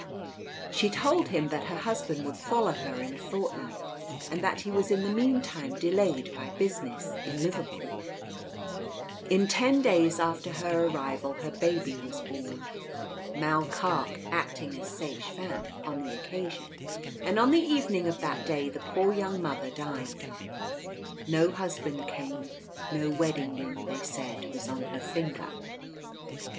She told him that her husband would follow her in a fortnight, and that he was in the mean time delayed by business in Liverpool. In ten days after her arrival her baby was born, Mall Carke acting as sage femme on the occasion; and on the evening of that day the poor young mother died. No husband came; no wedding ring, they said, was on her finger.